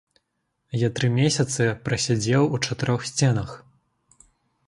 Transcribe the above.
Я тры месяцы прасядзеў у чатырох сценах.